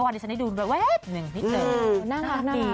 วันนี้ขอดูวาบหนึ่งสินะ